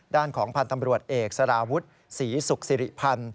ด้านของพันธ์ตำรวจเอกสารวุฒิศรีสุขสิริพันธ์